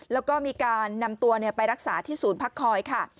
แล้วก็มีการนำตัวไปรักษาที่ศูนย์พักคอยค่ะ